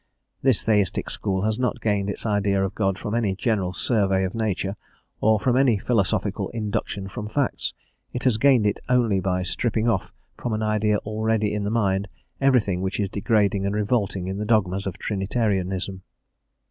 This Theistic school has not gained its idea of God from any general survey of nature or from any philosophical induction from facts; it has gained it only by stripping off from an idea already in the mind everything which is degrading and revolting in the dogmas of Trinitarianism.